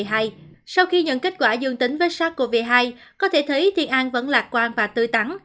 trong thời kỳ mà kết quả dương tính với sars cov hai có thể thấy thiên an vẫn lạc quan và tươi tắn